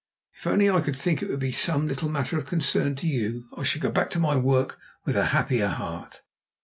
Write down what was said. "If only I could think it would be some little matter of concern to you I should go back to my work with a happier heart."